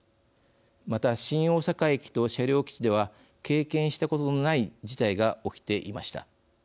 また新大阪駅と車両基地では経験したことのない事態が起きていました。